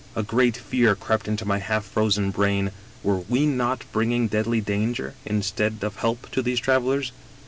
A great fear crept into my half frozen brain — were we not bringing deadly danger instead of help to these travelers